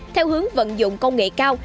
theo hướng vận dụng công nghệ cao